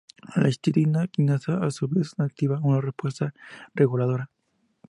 La histidina quinasa a su vez, activa un respuesta reguladora.